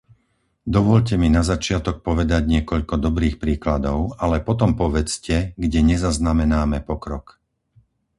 Dovoľte mi na začiatok povedať niekoľko dobrých príkladov, ale potom povedzte, kde nezaznamenáme pokrok.